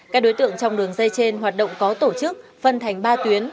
các đối tượng trong đường dây trên hoạt động có tổ chức phân thành ba tuyến